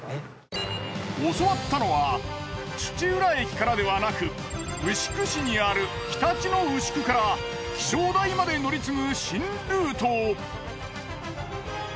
教わったのは土浦駅からではなく牛久市にあるひたち野うしくから気象台まで乗り継ぐ新ルート。